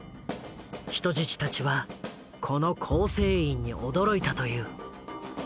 人質たちはこの構成員に驚いたという。